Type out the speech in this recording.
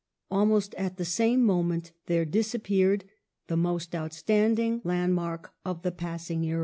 Almost at the same moment there disappeared the most outstanding land i^ mark of the passing era.